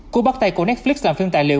cuộc bắt tay của netflix làm phim tài liệu